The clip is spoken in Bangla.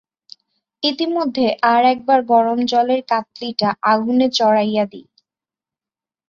ইতিমধ্যে আর-এক বার গরম জলের কাৎলিটা আগুনে চড়াইয়া দিই।